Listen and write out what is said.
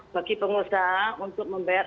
bagi pengusaha untuk membayar